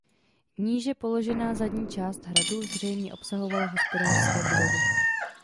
Níže položená zadní část hradu zřejmě obsahovala hospodářské budovy.